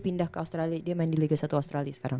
pindah ke australia dia main di liga satu australia sekarang